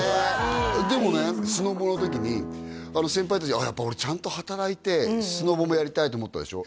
でもねスノボーの時にあの先輩達ああやっぱ俺ちゃんと働いてスノボーもやりたいと思ったでしょ